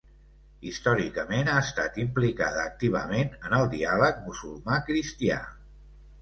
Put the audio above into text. Històricament ha estat implicada activament en el diàleg musulmà cristià.